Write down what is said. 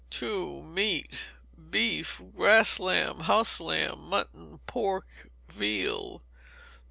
ii. Meat. Beef, grass lamb, house lamb, mutton, pork, veal.